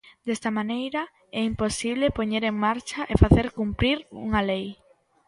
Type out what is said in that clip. Desta maneira é imposible poñer en marcha e facer cumprir unha lei.